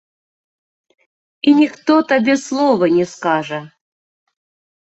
І ніхто табе слова не скажа.